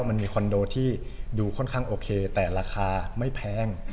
มันมีคอนโดที่ดูค่อนข้างโอเคแต่ราคาไม่แพง